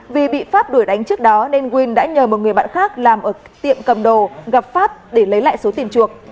vì bị pháp đuổi đánh trước đó nên quyên đã nhờ một người bạn khác làm ở tiệm cầm đồ gặp pháp để lấy lại số tiền chuộc